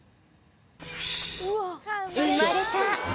産まれた。